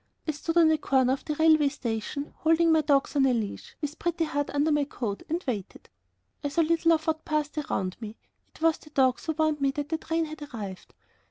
I stood on a corner of the railway station, holding my dogs on a leash, with Pretty Heart under my coat, and I waited. I saw little of what passed around me. It was the dogs who warned me that the train had arrived.